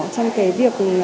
trong cái việc